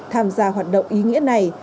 tham gia hoạt động ý nghĩa này